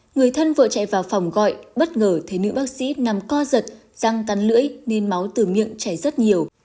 người thân vợ chạy vào phòng gọi bất ngờ thấy nữ bác sĩ nằm co giật răng tắn lưỡi nên máu từ miệng chảy rất nhiều